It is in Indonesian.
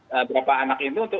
beberapa anak itu